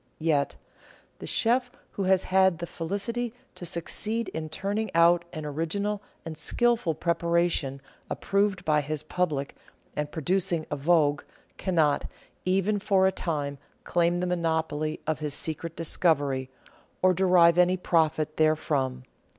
Yet, the Chef who has had the felicity to succeed in turning out an original and skilful preparation approved by his public and producing a vogue, cannot, even for a time, claim the monopoly of his secret discovery, or derive any profit therefrom.